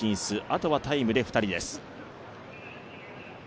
あとはタイムで２人です。